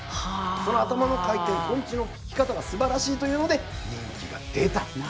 その頭の回転とんちの利き方がすばらしいというので人気が出たと。